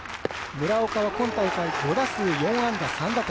村岡は今大会５打数４安打３打点。